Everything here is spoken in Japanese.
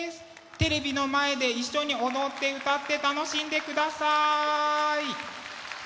テレビの前で一緒に踊って歌って楽しんでください。